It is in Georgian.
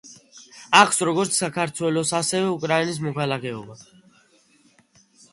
აქვს როგორც საქართველოს, ასევე უკრაინის მოქალაქეობა.